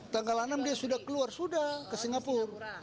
tanggal enam dia sudah keluar sudah ke singapura